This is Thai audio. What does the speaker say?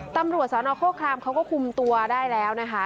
ตำรวจสนโครครามเขาก็คุมตัวได้แล้วนะคะ